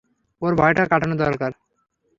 ওর ভয়টা কাটানো দরকার!